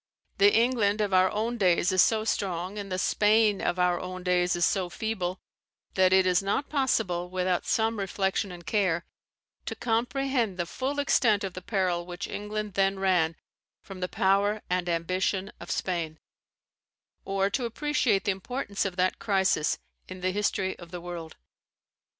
The England of our own days is so strong, and the Spain of our own days is so feeble, that it is not possible, without some reflection and care, to comprehend the full extent of the peril which England then ran from the power and the ambition of Spain, or to appreciate the importance of that crisis in the history of the world.